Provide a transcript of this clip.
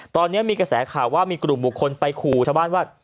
ตอนนี้มีกระแสข่าวว่ามีกลุ่มบุคคลไปขู่ชาวบ้านว่า